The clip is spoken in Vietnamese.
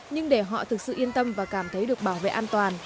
nhưng để họ thực sự yên tâm và cảm thấy được bảo vệ an toàn